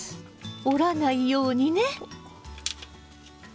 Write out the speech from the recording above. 折らないようにね！